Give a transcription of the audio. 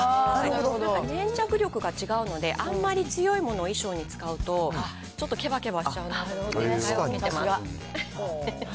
粘着力が違うので、あんまり強いものを衣装に使うと、ちょっとけばけばしちゃうのでなるほどね。